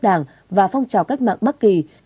đảng và phong trào cách mạng bắc kỳ